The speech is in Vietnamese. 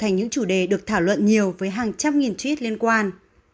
đây là những chủ đề được thảo luận nhiều với hàng trăm nghìn tweet liên quan